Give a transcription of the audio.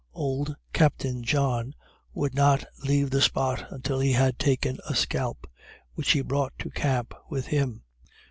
Old Captain John would not leave the spot until he had taken a scalp, which he brought to camp with him.